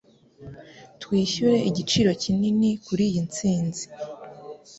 Twishyuye igiciro kinini kuriyi ntsinzi.